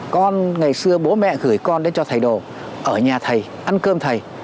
con ngày xưa bố mẹ gửi con đến cho thầy đồ ở nhà thầy ăn cơm thầy